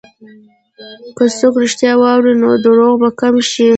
که څوک رښتیا واوري، نو دروغ به کم شي.